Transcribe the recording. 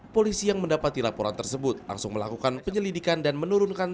polisi yang mendapati laporan tersebut langsung melakukan penyelidikan dan menurunkan